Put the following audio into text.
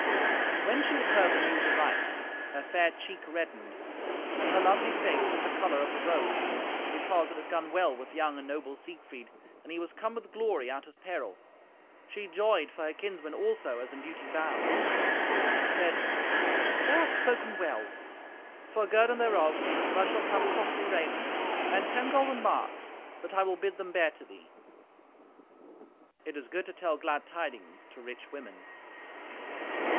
When she had heard the news aright, her fair cheek reddened, and her lovely face was the colour of the rose, because it had gone well with young and noble Siegfried, and he was come with glory out of peril. She joyed for her kinsmen also, as in duty bound. And she said, "Thou hast spoken well; for guerdon thereof thou shalt have costly raiment, and ten golden marks, that I will bid them bear to thee." It is good to tell glad tidings to rich women.